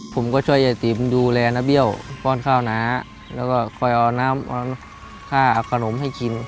เพราะว่าเกิดไม่เกิด